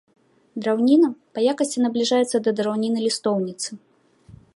Драўніна па якасці набліжаецца да драўніны лістоўніцы.